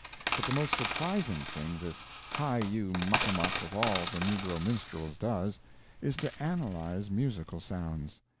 But the most surprising thing this High You Muck a Muck of all the negro minstrels does, is to analyze musical sounds.